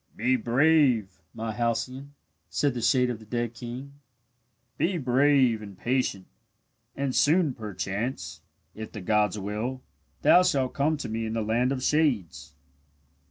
"Be brave, my Halcyone," said the shade of the dead king. "Be brave and patient, and soon perchance, if the gods will, thou shalt come to me in the land of shades."